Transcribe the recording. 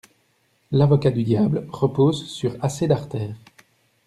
L'avocat du diable repose sur assez d'artères.